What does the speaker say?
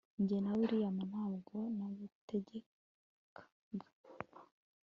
njye na william, ntabwo nagutegekaga